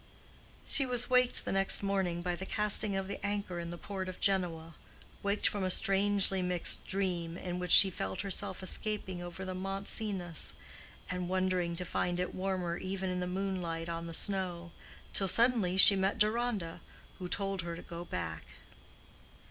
She was waked the next morning by the casting of the anchor in the port of Genoa—waked from a strangely mixed dream in which she felt herself escaping over the Mont Cenis, and wondering to find it warmer even in the moonlight on the snow, till suddenly she met Deronda, who told her to go back.